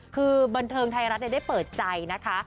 คือบันเทิงไทยรัฐได้เปิดใจนะคะ